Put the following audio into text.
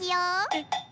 えっ！